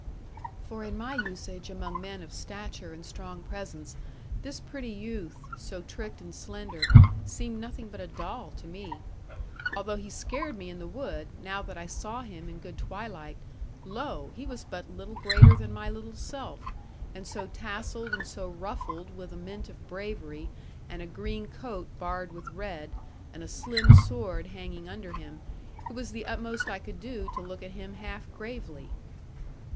'For in my usage among men of stature and strong presence, this pretty youth, so tricked and slender, seemed nothing but a doll to me. Although he scared me in the wood, now that I saw him in good twilight, lo! he was but little greater than my little self; and so tasselled and so ruffled with a mint of bravery, and a green coat barred with red, and a slim sword hanging under him, it was the utmost I could do to look at him half gravely.